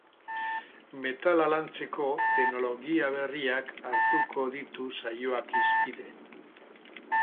Metala lantzeko teknologia berriak hartuko ditu saioak hizpide.